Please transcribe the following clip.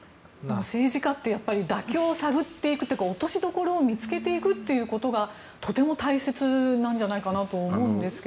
政治家って妥協を探っていくというか落としどころを見つけていくということがとても大切なんじゃないかと思うんですが。